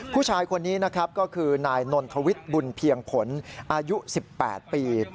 ผู้ชายคนนี้นะครับก็คือนายนนทวิทย์บุญเพียงผลอายุ๑๘ปี